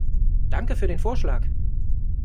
Danke für den Vorschlag.